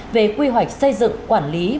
về quy hoạch xây dựng quản lý và phát triển